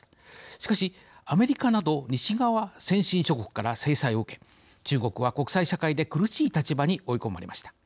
しかし、アメリカなど西側先進諸国から制裁を受け中国は国際社会で苦しい立場に追い込まれました。